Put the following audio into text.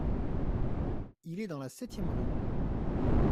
Il est dans la septième rue.